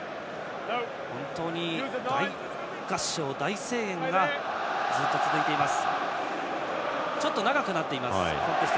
本当に大合唱、大声援がずっと続いています。